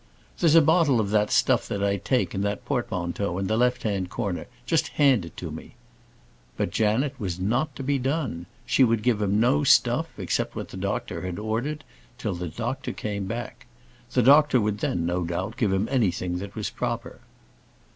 "There's a bottle of that stuff that I take, in that portmanteau, in the left hand corner just hand it to me." But Janet was not to be done. She would give him no stuff, except what the doctor had ordered, till the doctor came back. The doctor would then, no doubt, give him anything that was proper.